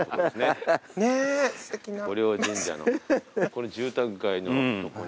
この住宅街のとこに。